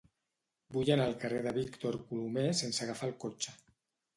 Vull anar al carrer de Víctor Colomer sense agafar el cotxe.